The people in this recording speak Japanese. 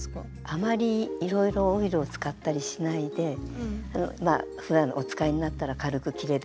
あまりいろいろオイルを使ったりしないでまあふだんお使いになったら軽くきれで拭いておくとか。